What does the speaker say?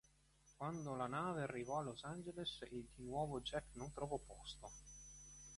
Quando la nave arrivò a Los Angeles di nuovo Jack non trovò posto.